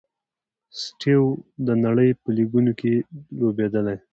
سټیو و د نړۍ په لیګونو کښي لوبېدلی.